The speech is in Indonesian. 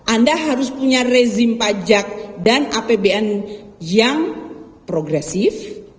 anda harus punya rezim pajak dan apbn yang progresif